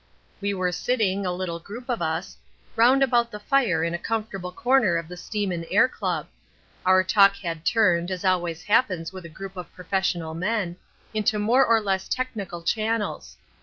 We were sitting a little group of us round about the fire in a comfortable corner of the Steam and Air Club. Our talk had turned, as always happens with a group of professional men, into more or less technical channels.